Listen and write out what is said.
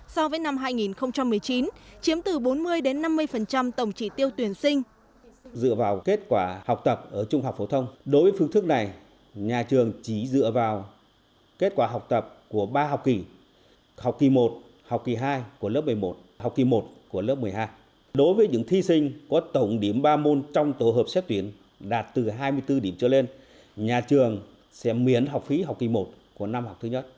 so với năm hai nghìn một mươi chín chiếm từ bốn mươi năm mươi tổng chỉ tiêu tuyển sinh